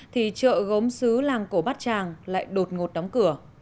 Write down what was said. thì chợ gốm xứ làng cổ bát tràng lại đột ngột đóng cửa